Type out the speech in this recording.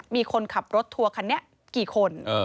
มีคนขับรถทัวร์คันนี้กี่คน